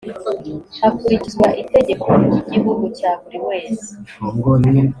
hakurikizwa itegeko ry’ igihugu cya buri wese